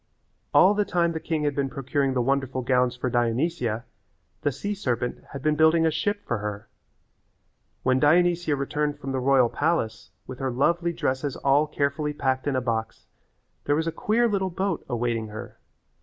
All the time the king had been procuring the wonderful gowns for Dionysia the sea serpent had been building a ship for her. When Dionysia returned from the royal palace with her lovely dresses all carefully packed in a box there was a queer little boat awaiting her.